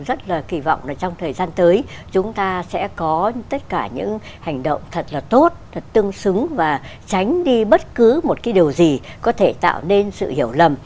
tôi rất là kỳ vọng là trong thời gian tới chúng ta sẽ có tất cả những hành động thật là tốt thật tương xứng và tránh đi bất cứ một cái điều gì có thể tạo nên sự hiểu lầm